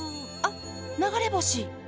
あっ流れ星？